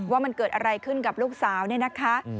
ว่ามันเกิดอะไรขึ้นกับลูกสาวเนี่ยนะคะ